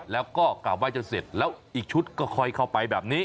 แล้วก็กราบไห้จนเสร็จแล้วอีกชุดก็ค่อยเข้าไปแบบนี้